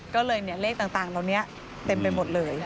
ก็เลยเนี่ยเลขต่างตรงเนี้ยเต็มไปหมดเลย